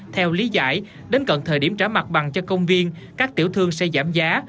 theo lý giải đến cận thời điểm trả mặt bằng cho công viên các tiểu thương sẽ giảm giá